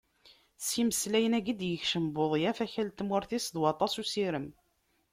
S yimeslayen-agi i d-yekcem Budyaf akal n tmurt-is d waṭas n usirem.